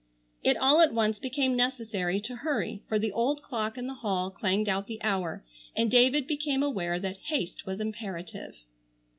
It all at once became necessary to hurry, for the old clock in the hall clanged out the hour and David became aware that haste was imperative.